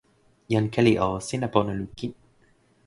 jan Keli o, sina pona lukin.